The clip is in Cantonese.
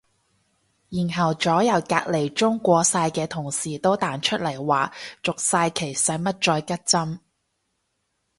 然後左右隔離中過晒嘅同事都彈出嚟話續晒期使乜再拮針